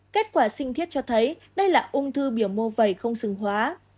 kết quả sinh thiết cho thấy đây là ung thư biểu mô vầy không xứng hóa